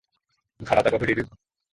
カラダがふれる。